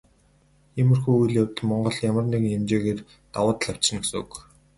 Иймэрхүү үйл явдал Монголд ямар нэгэн хэмжээгээр давуу тал авчирна гэсэн үг.